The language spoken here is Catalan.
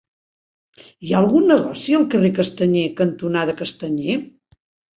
Hi ha algun negoci al carrer Castanyer cantonada Castanyer?